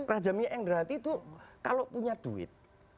raja minyak yang rendah hati tuh kalau punya duit